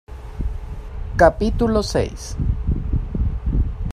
capítulo seis.